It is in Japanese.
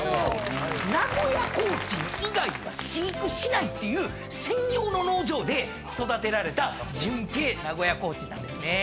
名古屋コーチン以外は飼育しないっていう専用の農場で育てられた純系名古屋コーチンなんですね。